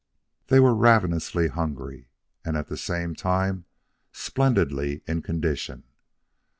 They were ravenously hungry and at the same time splendidly in condition.